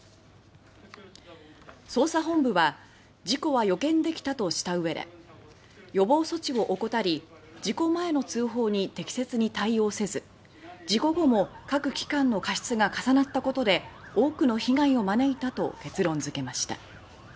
捜査本部は「事故は予見できた」とした上で「予防措置を怠り事故前の通報に適切に対応せず事故後も各機関の過失が重なったことで多くの被害を招いた」と結論付けました。